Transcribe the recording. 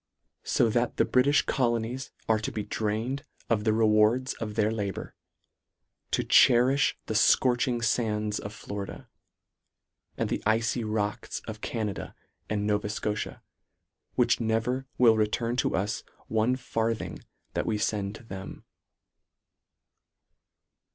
So that the Britifh colonies are to be drained of the rewards of their labour, to cherifh the fcorching fands of Florida, and the icy rocks of Canada and Nova Scotia, which never will return to us one farthing that we fend to them.